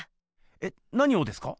えっなにをですか？